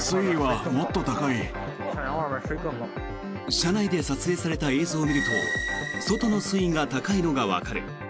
車内で撮影された映像を見ると外の水位が高いのがわかる。